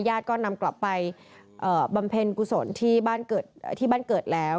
ญาติก็นำกลับไปบำเพ็ญกุศลที่บ้านเกิดแล้ว